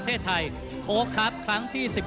ท่านแรกครับจันทรุ่ม